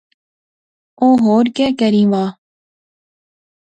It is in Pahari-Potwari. او ہور کہہ کرین وہا